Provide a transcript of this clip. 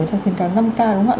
cho khuyến khám năm k đúng không ạ